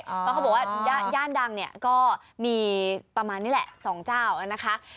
เพราะเขาบอกว่าย่านดังเนี่ยก็มีประมาณนี้แหละ๒เจ้านะคะ